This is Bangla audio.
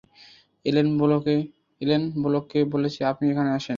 এলেন ব্লককে বলেছি আপনি এখানে আছেন।